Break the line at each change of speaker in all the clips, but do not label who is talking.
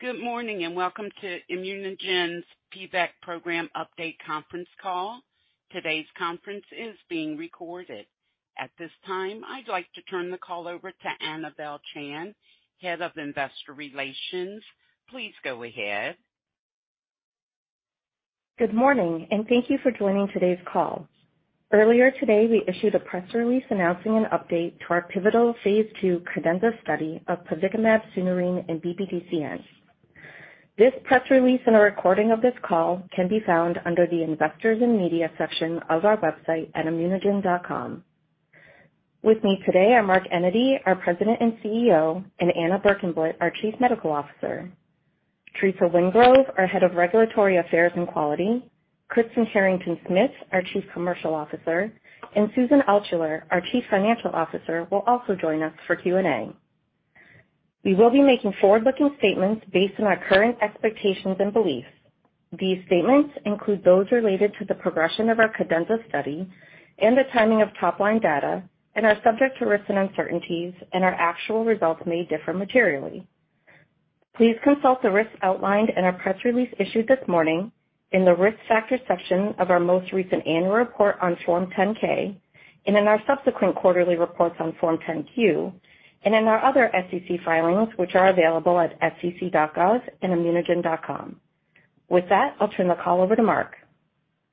Good morning, and Welcome to ImmunoGen's PVEK Program Update Conference Call. Today's conference is being recorded. At this time, I'd like to turn the call over to Anabel Chan, Head of Investor Relations. Please go ahead.
Good morning, and thank you for joining today's call. Earlier today, we issued a press release announcing an update to our pivotal phase II CADENZA study of pivekimab sunirine in BPDCN. This press release and a recording of this call can be found under the Investors and Media section of our website at immunogen.com. With me today are Mark Enyedy, our President and CEO, and Anna Berkenblit, our Chief Medical Officer. Theresa Wingrove, our Head of Regulatory Affairs and Quality, Kristen Harrington-Smith, our Chief Commercial Officer, and Susan Altschuller, our Chief Financial Officer, will also join us for Q&A. We will be making forward-looking statements based on our current expectations and beliefs. These statements include those related to the progression of our CADENZA study and the timing of top-line data and are subject to risks and uncertainties and our actual results may differ materially. Please consult the risks outlined in our press release issued this morning in the risk factor section of our most recent annual report on Form 10-K and in our subsequent quarterly reports on Form 10-Q and in our other SEC filings, which are available at sec.gov and immunogen.com. With that, I'll turn the call over to Mark.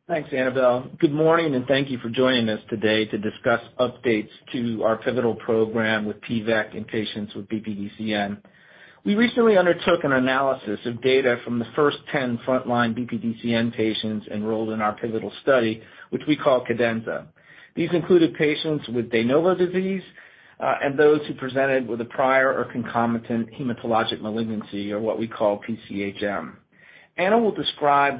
Thanks, Anabel. Good morning, and thank you for joining us today to discuss updates to our pivotal program with PVEK in patients with BPDCN. We recently undertook an analysis of data from the first 10 frontline BPDCN patients enrolled in our pivotal study, which we call CADENZA. These included patients with de novo disease and those who presented with a prior or concomitant hematologic malignancy or what we call PCHM. Anna will describe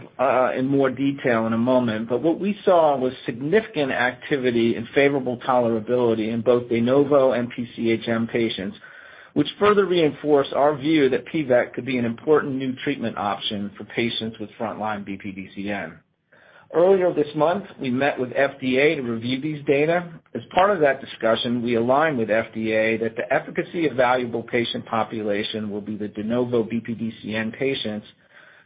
in more detail in a moment, but what we saw was significant activity and favorable tolerability in both de novo and PCHM patients, which further reinforce our view that PVEK could be an important new treatment option for patients with frontline BPDCN. Earlier this month, we met with FDA to review these data. As part of that discussion, we aligned with FDA that the efficacy of evaluable patient population will be the de novo BPDCN patients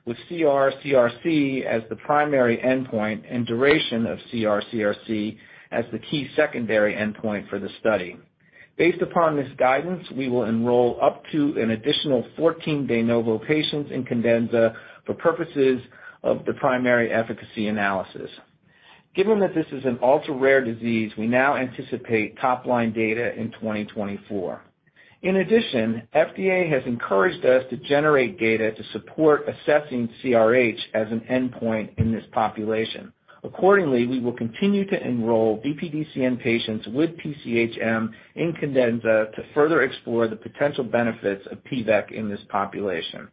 with CR/CRC as the primary endpoint and duration of CR/CRC as the key secondary endpoint for the study. Based upon this guidance, we will enroll up to an additional 14 de novo patients in CADENZA for purposes of the primary efficacy analysis. Given that this is an ultra-rare disease, we now anticipate top-line data in 2024. In addition, FDA has encouraged us to generate data to support assessing CRH as an endpoint in this population. Accordingly, we will continue to enroll BPDCN patients with PCHM in CADENZA to further explore the potential benefits of PVEK in this population.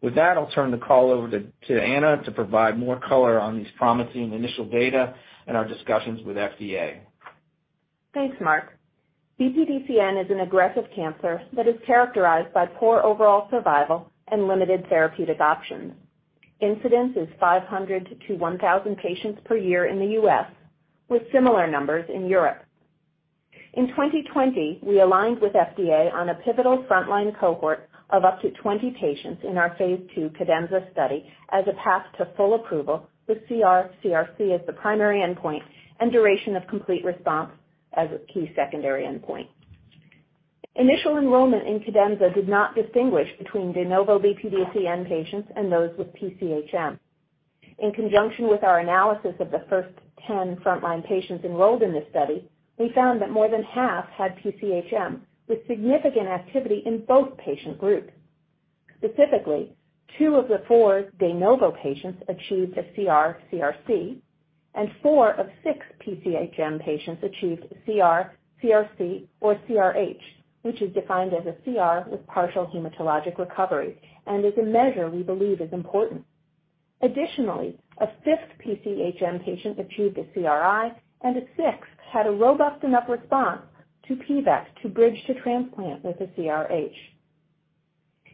With that, I'll turn the call over to Anna to provide more color on these promising initial data and our discussions with FDA.
Thanks, Mark. BPDCN is an aggressive cancer that is characterized by poor overall survival and limited therapeutic options. Incidence is 500-1,000 patients per year in the U.S., with similar numbers in Europe. In 2020, we aligned with FDA on a pivotal frontline cohort of up to 20 patients in our phase II CADENZA study as a path to full approval with CR/CRC as the primary endpoint and duration of complete response as a key secondary endpoint. Initial enrollment in CADENZA did not distinguish between de novo BPDCN patients and those with PCHM. In conjunction with our analysis of the first 10 frontline patients enrolled in this study, we found that more than half had PCHM, with significant activity in both patient groups. Specifically, two of the four de novo patients achieved a CR/CRC, and four of six PCHM patients achieved CR, CRC, or CRH, which is defined as a CR with partial hematologic recovery and is a measure we believe is important. Additionally, a fifth PCHM patient achieved a CRI, and a sixth had a robust enough response to PVEK to bridge to transplant with a CRH.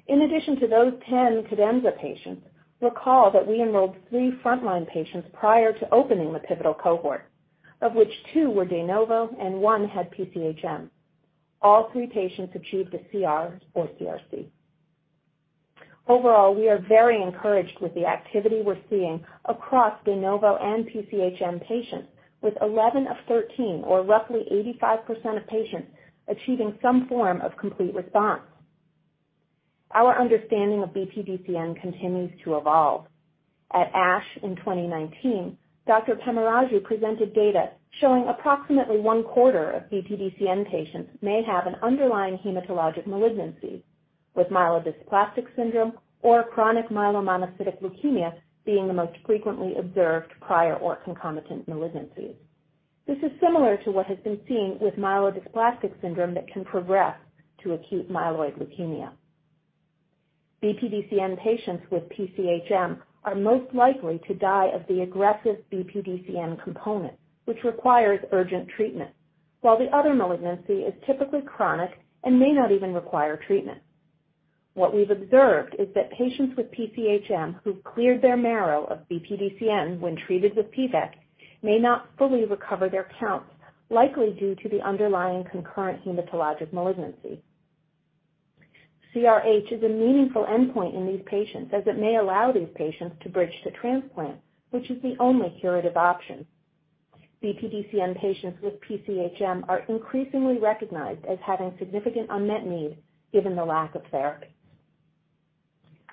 In addition to those 10 CADENZA patients, recall that we enrolled three frontline patients prior to opening the pivotal cohort, of which two were de novo and one had PCHM. All three patients achieved a CR or CRC. Overall, we are very encouraged with the activity we're seeing across de novo and PCHM patients, with 11 of 13 or roughly 85% of patients achieving some form of complete response. Our understanding of BPDCN continues to evolve. At ASH in 2019, Dr. Pemmaraju presented data showing approximately one-quarter of BPDCN patients may have an underlying hematologic malignancy, with myelodysplastic syndrome or chronic myelomonocytic leukemia being the most frequently observed prior or concomitant malignancies. This is similar to what has been seen with myelodysplastic syndrome that can progress to acute myeloid leukemia. BPDCN patients with PCHM are most likely to die of the aggressive BPDCN component, which requires urgent treatment, while the other malignancy is typically chronic and may not even require treatment. What we've observed is that patients with PCHM who've cleared their marrow of BPDCN when treated with PVEK may not fully recover their counts, likely due to the underlying concurrent hematologic malignancy. CRH is a meaningful endpoint in these patients as it may allow these patients to bridge to transplant, which is the only curative option. BPDCN patients with PCHM are increasingly recognized as having significant unmet need given the lack of therapy.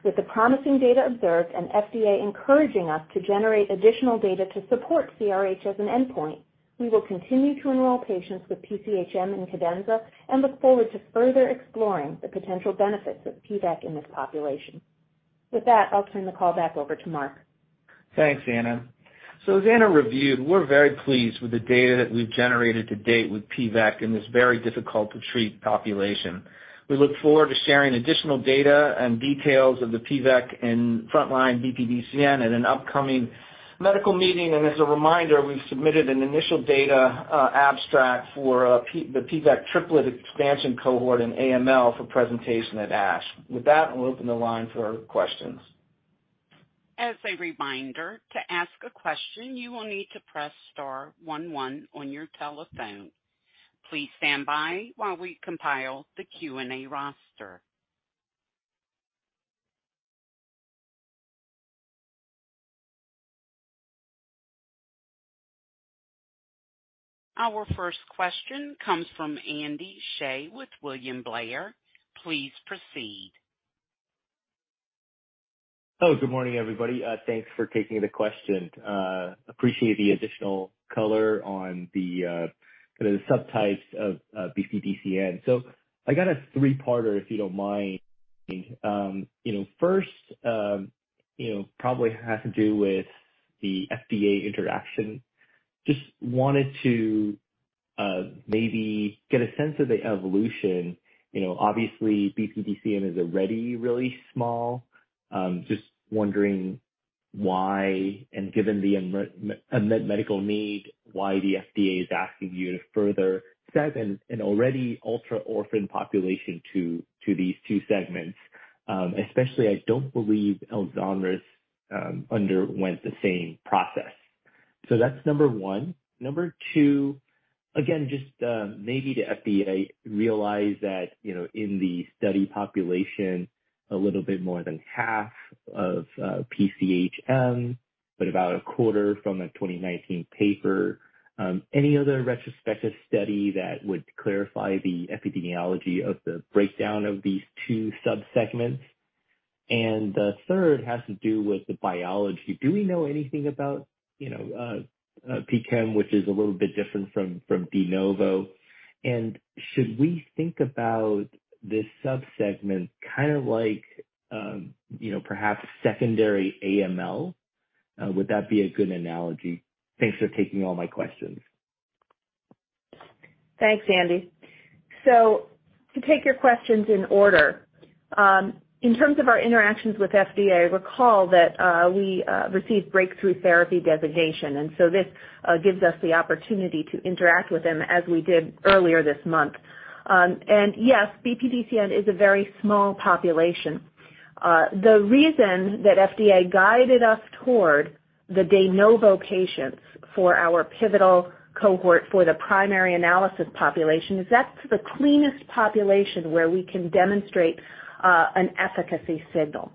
With the promising data observed and FDA encouraging us to generate additional data to support CRH as an endpoint, we will continue to enroll patients with PCHM in CADENZA and look forward to further exploring the potential benefits of PVEK in this population. With that, I'll turn the call back over to Mark.
Thanks, Anna. As Anna reviewed, we're very pleased with the data that we've generated to date with PVEK in this very difficult to treat population. We look forward to sharing additional data and details of the PVEK in frontline BPDCN at an upcoming medical meeting. As a reminder, we've submitted an initial data abstract for the PVEK triplet expansion cohort in AML for presentation at ASH. With that, we'll open the line for questions.
As a reminder, to ask a question, you will need to press star one one on your telephone. Please stand by while we compile the Q&A roster. Our first question comes from Andy Hsieh with William Blair. Please proceed.
Good morning, everybody. Thanks for taking the questions. Appreciate the additional color on the kinda the subtypes of BPDCN. I got a three-parter, if you don't mind. You know, first, you know, probably has to do with the FDA interaction. Just wanted to maybe get a sense of the evolution. You know, obviously BPDCN is already really small. Just wondering why, and given the unmet medical need, why the FDA is asking you to further segment an already ultra-orphan population to these two segments. Especially I don't believe ELZONRIS underwent the same process. That's number one. Number two, again, just maybe the FDA realized that, you know, in the study population, a little bit more than half of PCHM, but about a quarter from a 2019 paper, any other retrospective study that would clarify the epidemiology of the breakdown of these two subsegments. The third has to do with the biology. Do we know anything about, you know, PCHM, which is a little bit different from de novo? Should we think about this subsegment kind of like, you know, perhaps secondary AML? Would that be a good analogy? Thanks for taking all my questions.
Thanks, Andy. To take your questions in order, in terms of our interactions with FDA, recall that we received Breakthrough Therapy designation, and this gives us the opportunity to interact with them as we did earlier this month. Yes, BPDCN is a very small population. The reason that FDA guided us toward the de novo patients for our pivotal cohort for the primary analysis population is that's the cleanest population where we can demonstrate an efficacy signal.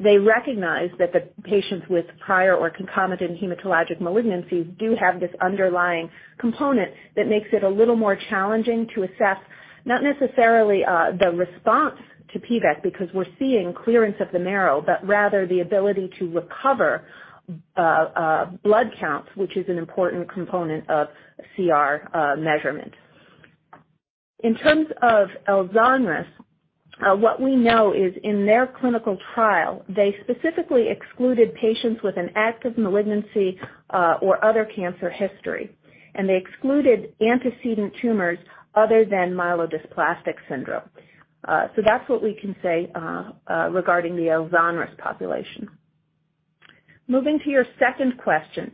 They recognize that the patients with prior or concomitant hematologic malignancies do have this underlying component that makes it a little more challenging to assess not necessarily the response to pivkeimab sunirine because we're seeing clearance of the marrow, but rather the ability to recover blood counts, which is an important component of CR measurement. In terms of ELZONRIS, what we know is in their clinical trial, they specifically excluded patients with an active malignancy, or other cancer history, and they excluded antecedent tumors other than myelodysplastic syndrome. That's what we can say regarding the ELZONRIS population. Moving to your second question.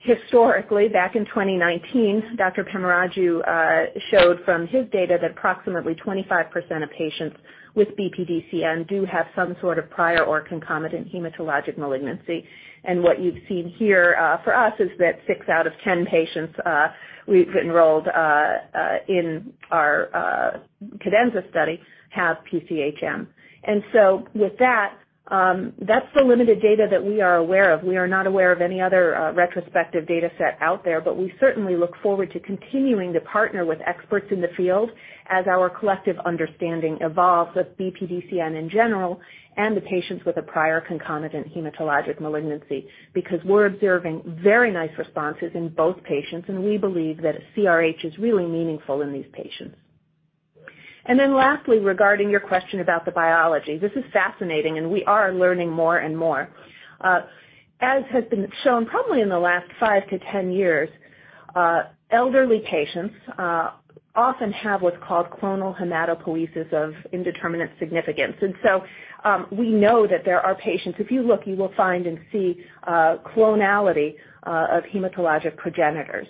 Historically, back in 2019, Dr. Pemmaraju showed from his data that approximately 25% of patients with BPDCN do have some sort of prior or concomitant hematologic malignancy. What you've seen here, for us is that six out of 10 patients we've enrolled in our CADENZA study have PCHM. With that's the limited data that we are aware of. We are not aware of any other retrospective dataset out there, but we certainly look forward to continuing to partner with experts in the field as our collective understanding evolves with BPDCN in general and the patients with a prior concomitant hematologic malignancy, because we're observing very nice responses in both patients, and we believe that a CRH is really meaningful in these patients. Then lastly, regarding your question about the biology, this is fascinating, and we are learning more and more. As has been shown probably in the last five to 10 years, elderly patients often have what's called clonal hematopoiesis of indeterminate potential. We know that there are patients; if you look, you will find and see clonality of hematologic progenitors.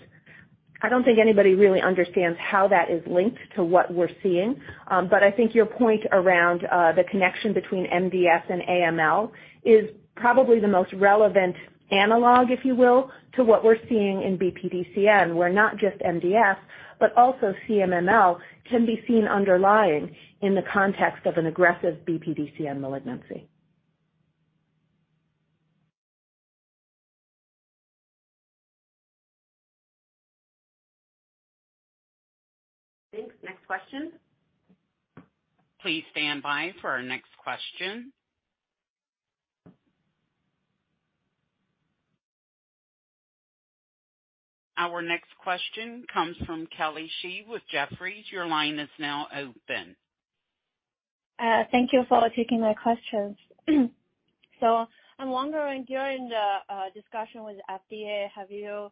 I don't think anybody really understands how that is linked to what we're seeing. I think your point around the connection between MDS and AML is probably the most relevant analog, if you will, to what we're seeing in BPDCN, where not just MDS, but also CMML can be seen underlying in the context of an aggressive BPDCN malignancy.
Thanks. Next question. Please stand by for our next question. Our next question comes from Kelly Shi with Jefferies. Your line is now open.
Thank you for taking my questions. I'm wondering, during the discussion with FDA, have you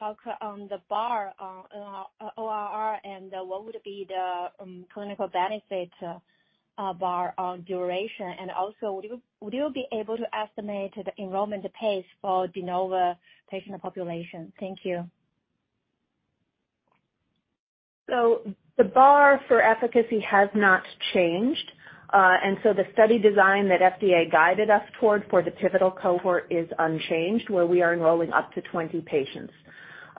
talked on the bar on ORR and what would be the clinical benefit bar on duration? Also, would you be able to estimate the enrollment pace for de novo patient population? Thank you.
The bar for efficacy has not changed. The study design that FDA guided us toward for the pivotal cohort is unchanged, where we are enrolling up to 20 patients.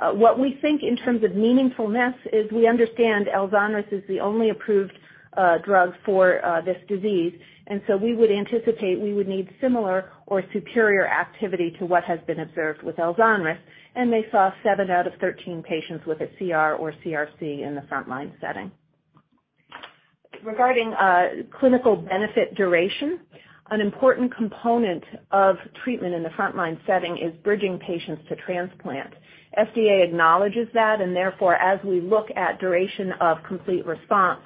What we think in terms of meaningfulness is we understand ELZONRIS is the only approved drug for this disease. We would anticipate we would need similar or superior activity to what has been observed with ELZONRIS. They saw seven out of 13 patients with a CR or CRC in the front line setting. Regarding clinical benefit duration, an important component of treatment in the front line setting is bridging patients to transplant. FDA acknowledges that, and therefore, as we look at duration of complete response,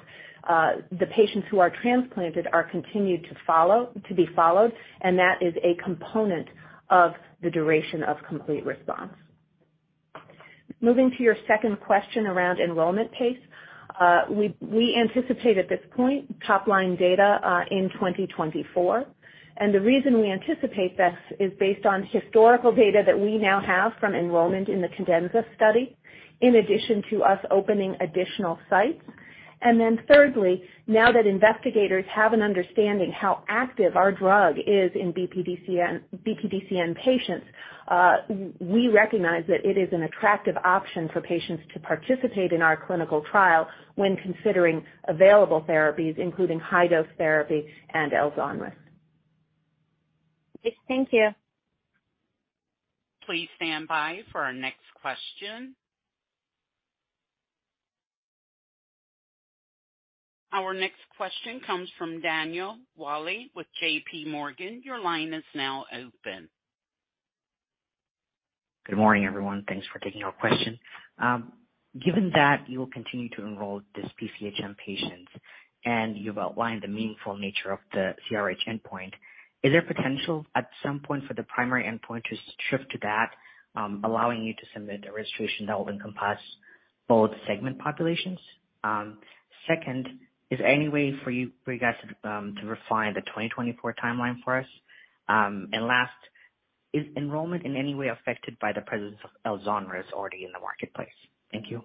the patients who are transplanted are to be followed, and that is a component of the duration of complete response. Moving to your second question around enrollment pace, we anticipate at this point top line data in 2024. The reason we anticipate this is based on historical data that we now have from enrollment in the CADENZA study, in addition to us opening additional sites. Thirdly, now that investigators have an understanding how active our drug is in BPDCN patients, we recognize that it is an attractive option for patients to participate in our clinical trial when considering available therapies, including high dose therapy and ELZONRIS.
Thank you.
Please stand by for our next question. Our next question comes from Daniel Welch with JPMorgan. Your line is now open.
Good morning, everyone. Thanks for taking our question. Given that you will continue to enroll PCHM patients and you've outlined the meaningful nature of the CRH endpoint, is there potential at some point for the primary endpoint to shift to that, allowing you to submit a registration that will encompass both segment populations? Second, is there any way for you guys to refine the 2024 timeline for us? And last, is enrollment in any way affected by the presence of ELZONRIS already in the marketplace? Thank you.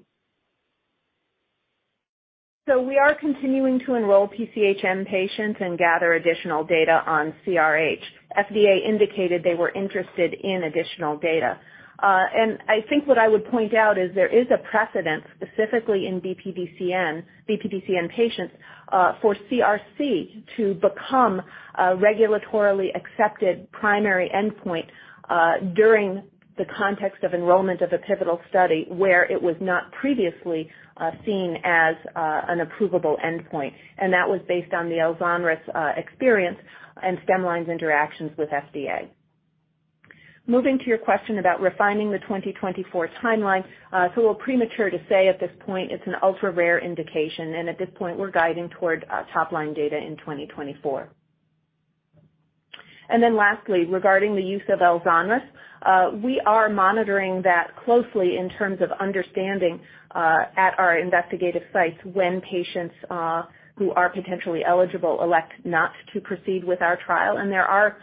We are continuing to enroll PCHM patients and gather additional data on CRH. FDA indicated they were interested in additional data. I think what I would point out is there is a precedent, specifically in BPDCN patients, for CRC to become a regulatorily accepted primary endpoint during the context of enrollment of a pivotal study where it was not previously seen as an approvable endpoint. That was based on the ELZONRIS experience and Stemline's interactions with FDA. Moving to your question about refining the 2024 timeline, we're premature to say at this point it's an ultra-rare indication, and at this point we're guiding toward top-line data in 2024. Lastly, regarding the use of ELZONRIS, we are monitoring that closely in terms of understanding at our investigational sites when patients who are potentially eligible elect not to proceed with our trial. There are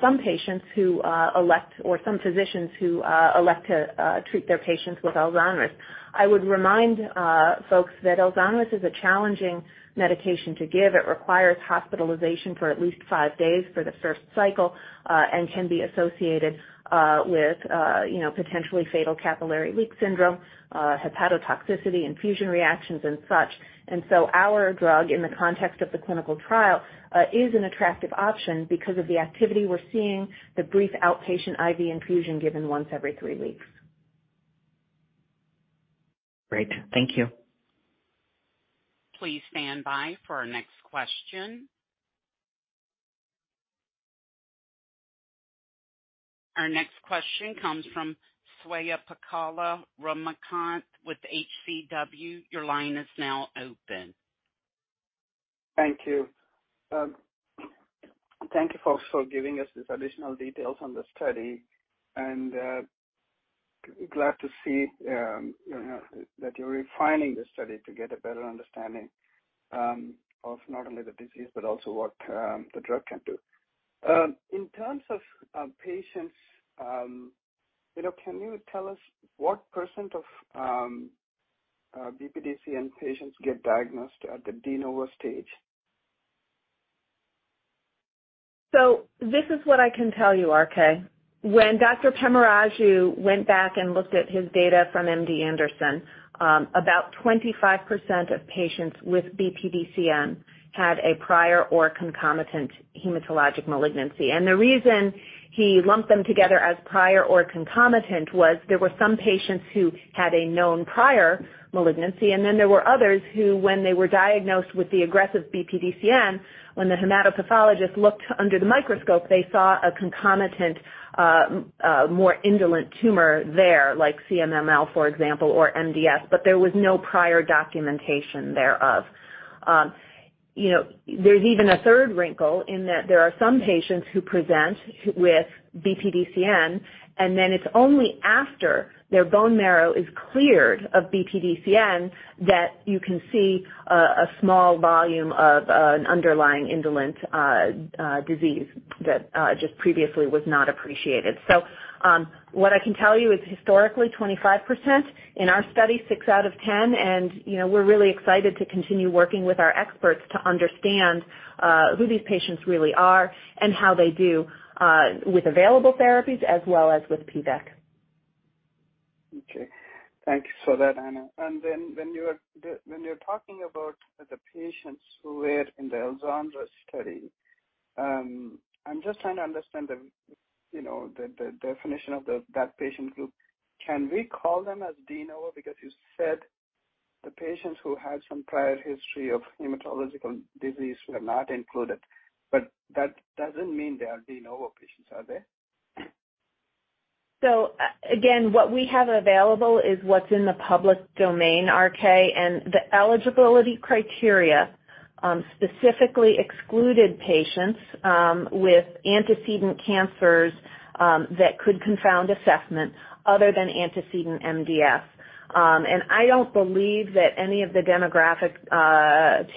some patients who elect or some physicians who elect to treat their patients with ELZONRIS. I would remind folks that ELZONRIS is a challenging medication to give. It requires hospitalization for at least five days for the first cycle and can be associated with you know, potentially fatal capillary leak syndrome, hepatotoxicity, infusion reactions and such. Our drug, in the context of the clinical trial, is an attractive option because of the activity we're seeing, the brief outpatient IV infusion given once every three weeks.
Great. Thank you.
Please stand by for our next question. Our next question comes from Swayampakula Ramakanth with H.C.W. Your line is now open.
Thank you. Thank you folks for giving us this additional details on the study, and glad to see, you know, that you're refining the study to get a better understanding of not only the disease but also what the drug can do. In terms of patients, you know, can you tell us what percent of BPDCN patients get diagnosed at the de novo stage?
This is what I can tell you, RK. When Dr. Pemmaraju went back and looked at his data from MD Anderson, about 25% of patients with BPDCN had a prior or concomitant hematologic malignancy. The reason he lumped them together as prior or concomitant was there were some patients who had a known prior malignancy, and then there were others who, when they were diagnosed with the aggressive BPDCN, when the hematopathologist looked under the microscope, they saw a concomitant more indolent tumor there, like CMML, for example, or MDS, but there was no prior documentation thereof. you know, there's even a third wrinkle in that there are some patients who present with BPDCN, and then it's only after their bone marrow is cleared of BPDCN that you can see a small volume of an underlying indolent disease that just previously was not appreciated. What I can tell you is historically 25% in our study, six out of 10. You know, we're really excited to continue working with our experts to understand who these patients really are and how they do with available therapies as well as with PVEK.
Okay. Thank you for that, Anna. Then when you're talking about the patients who were in the CADENZA study, I'm just trying to understand, you know, the definition of that patient group. Can we call them de novo? Because you said the patients who had some prior history of hematological disease were not included, but that doesn't mean they are de novo patients, are they?
Again, what we have available is what's in the public domain, RK, and the eligibility criteria specifically excluded patients with antecedent cancers that could confound assessment other than antecedent MDS. I don't believe that any of the demographic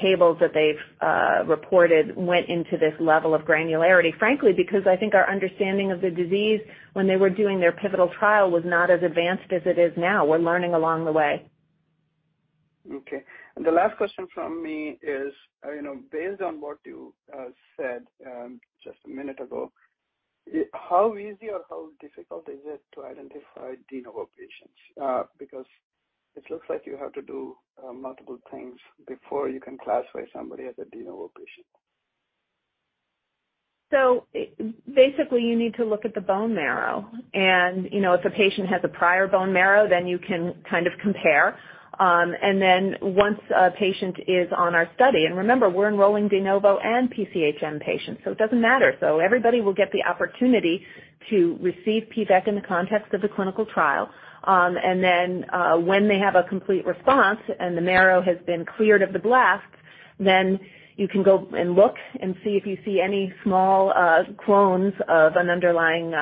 tables that they've reported went into this level of granularity, frankly, because I think our understanding of the disease when they were doing their pivotal trial was not as advanced as it is now. We're learning along the way.
Okay. The last question from me is, you know, based on what you said just a minute ago, how easy or how difficult is it to identify de novo patients? Because it looks like you have to do multiple things before you can classify somebody as a de novo patient.
Basically, you need to look at the bone marrow. You know, if a patient has a prior bone marrow, then you can kind of compare. Once a patient is on our study, remember, we're enrolling de novo and PCHM patients, so it doesn't matter. Everybody will get the opportunity to receive PVEK in the context of the clinical trial. When they have a complete response and the marrow has been cleared of the blast, you can go and look and see if you see any small clones of an underlying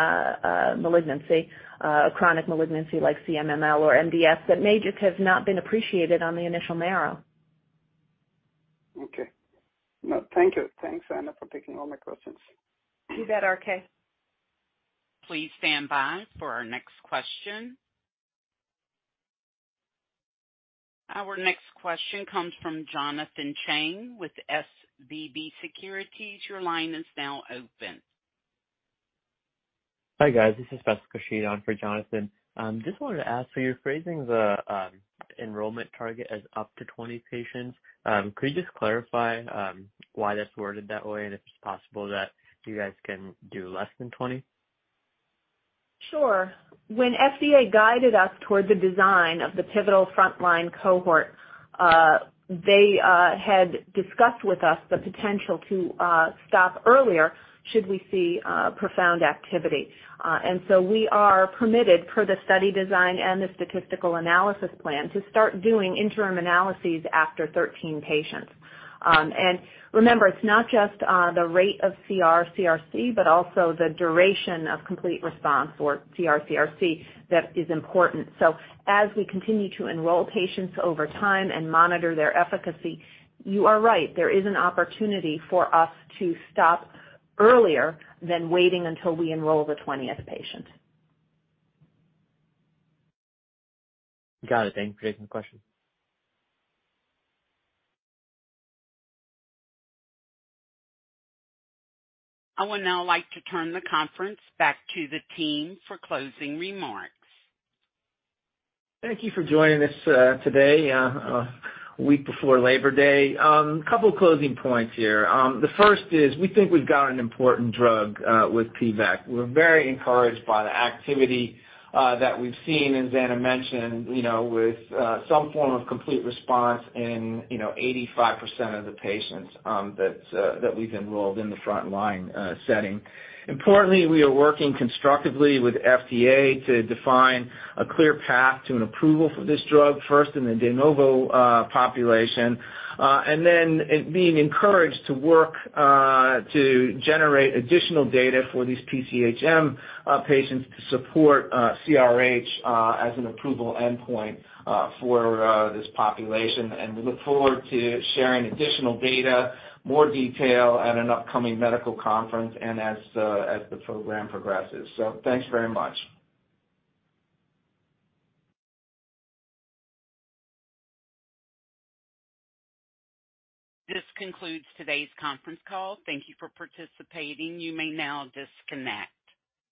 chronic malignancy like CMML or MDS that may just have not been appreciated on the initial marrow.
Okay. No, thank you. Thanks, Anna, for taking all my questions.
You bet, RK.
Please stand by for our next question. Our next question comes from Jonathan Chang with SVB Securities. Your line is now open.
Hi, guys. This is Jessica Shea on for Jonathan. Just wanted to ask about your phrasing of the enrollment target as up to 20 patients. Could you just clarify why that's worded that way and if it's possible that you guys can do less than 20?
Sure. When FDA guided us toward the design of the pivotal frontline cohort, they had discussed with us the potential to stop earlier should we see profound activity. We are permitted per the study design and the statistical analysis plan to start doing interim analyses after 13 patients. Remember, it's not just the rate of CR/CRC, but also the duration of complete response or CR/CRC that is important. As we continue to enroll patients over time and monitor their efficacy, you are right, there is an opportunity for us to stop earlier than waiting until we enroll the 20th patient.
Got it. Thank you. Great question.
I would now like to turn the conference back to the team for closing remarks.
Thank you for joining us today, a week before Labor Day. Couple closing points here. The first is we think we've got an important drug with PVEK. We're very encouraged by the activity that we've seen, as Anna mentioned, you know, with some form of complete response in, you know, 85% of the patients that we've enrolled in the frontline setting. Importantly, we are working constructively with FDA to define a clear path to an approval for this drug, first in the de novo population, and then being encouraged to work to generate additional data for these PCHM patients to support CRH as an approval endpoint for this population. We look forward to sharing additional data, more detail at an upcoming medical conference and as the program progresses. Thanks very much.
This concludes today's conference call. Thank you for participating. You may now disconnect.